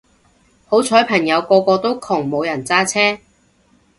好彩朋友個個都窮冇人揸車